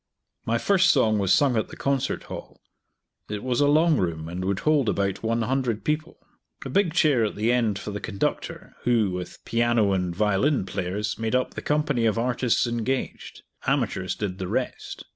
My first song was sung at the Concert Hall. It was a long room, and would hold about 100 people. A big chair at the end for the conductor, who, with piano and violin players, made up the company of artists engaged; amateurs did the rest.